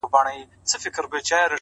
ما خپل گڼي اوس يې لا خـپـل نه يـمه ـ